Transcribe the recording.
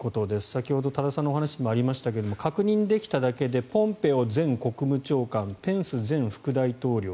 先ほど多田さんのお話にもありましたが確認できただけでポンペオ前国務長官ペンス前副大統領